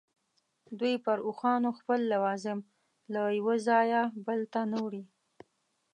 دوی پر اوښانو خپل لوازم له یوه ځایه بل ته نه وړي.